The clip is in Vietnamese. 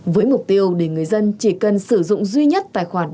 với mục tiêu để người dân chỉ cần sử dụng duy nhất tài khoản địa tử